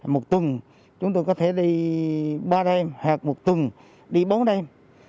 một tuần chúng tôi có thể đi ba đêm hoặc một tuần đi bốn đêm